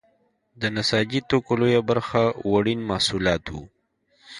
د نساجي توکو لویه برخه وړین محصولات وو.